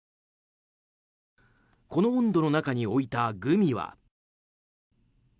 この温度の中に置いたグミは。